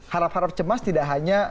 harap harap cemas tidak hanya